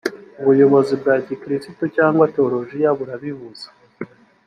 ubuyobozi bwa gikristu cyangwa tewologia burabibuza